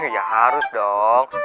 ya harus dong